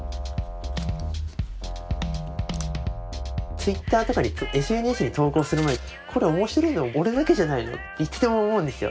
ツイッターとかにＳＮＳに投稿する前に「これ面白いの俺だけじゃないの？」っていつでも思うんですよ。